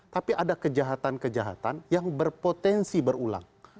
tapi ada kejahatan kejahatan yang berpotensi berulang